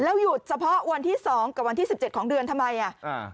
แล้วหยุดเฉพาะวันที่๒กับวันที่๑๗ของเดือนทำไม